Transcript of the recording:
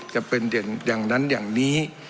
จะเป็นอย่างนั้นอย่างนี้